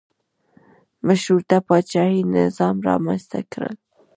مشروطه پاچاهي نظام رامنځته کړل.